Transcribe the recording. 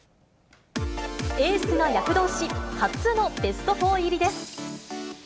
エースが躍動し、初のベスト４入りです。